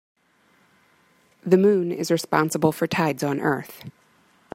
The moon is responsible for tides on earth.